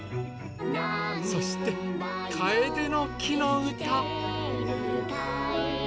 そして「カエデの木のうた」。